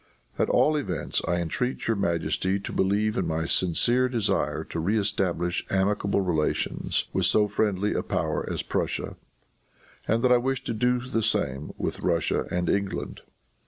At all events I entreat your majesty to believe in my sincere desire to reëstablish amicable relations with so friendly a power as Prussia, and that I wish to do the same with Russia and England."